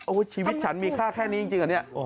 โอ้โฮชีวิตฉันมีค่าแค่นี้จริงอันนี้